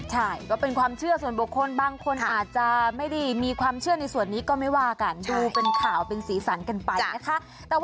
ใช่ก็เป็นความเชื่อส่วนบุคคลบางคนอาจจะไม่ได้มีความเชื่อในส่วนนี้ก็ไม่ว่ากันดูเป็นข่าวเป็นสีสันกันไปนะคะ